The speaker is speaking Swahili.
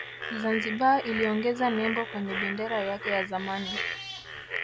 Zanzibar iliongeza nembo kwenye bendera yake ya zamani